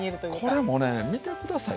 これもね見て下さい。